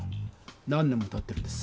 何年もたってるんです。